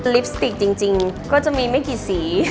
ลิปสติกจริงก็จะมีไม่กี่สี